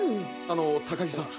あの高木さん。